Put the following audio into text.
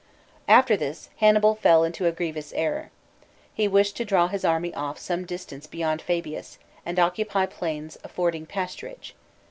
VI. After this, Hannibal fell into a grievous error. He wished to draw his army off some distance beyond Fabius, and occupy plains affording pasturage.